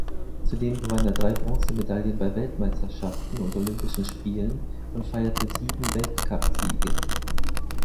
Zudem gewann er drei Bronzemedaillen bei Weltmeisterschaften und olympischen Spielen und feierte sieben Weltcupsiege.